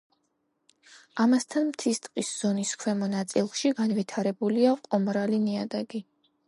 ამასთან მთის ტყის ზონის ქვემო ნაწილში განვითარებულია ყომრალი ნიადაგი.